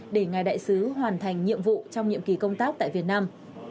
để ngài đại sứ hoàn thành nhiệm vụ trong nhiệm kỳ công tác tại việt nam